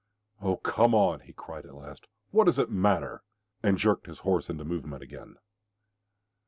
"Oh, come on!" he cried at last. "What does it matter?" and jerked his horse into movement again.